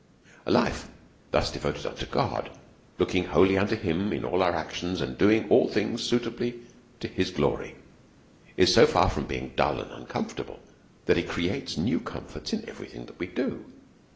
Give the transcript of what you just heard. A life thus devoted unto God, looking wholly unto him in all our actions, and doing all things suitably to his glory, is so far from being dull and uncomfortable, that it creates new comforts in every thing that we do.